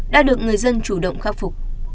đã được người dân chủ động khắc phục